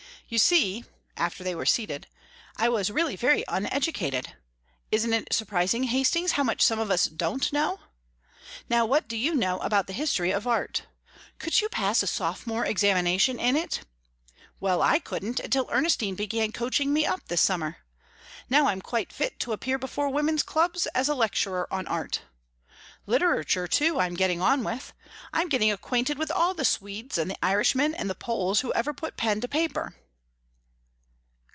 "You see," after they were seated "I was really very uneducated. Isn't it surprising, Hastings, how much some of us don't know? Now what do you know about the history of art? Could you pass a sophomore examination in it? Well, I couldn't until Ernestine began coaching me up this summer. Now I'm quite fit to appear before women's clubs as a lecturer on art. Literature, too, I'm getting on with; I'm getting acquainted with all the Swedes and the Irishmen and the Poles who ever put pen to paper."